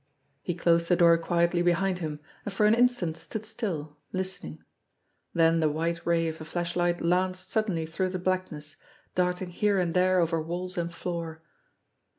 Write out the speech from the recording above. He closed the door quietly behind him, and for an instant stood still, listening; then the white ray of the flashlight lanced suddenly through the blackness, darting here and there over walls and floor.